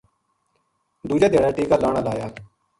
دوجے دھیاڑے ٹیکہ لان ہالا آیا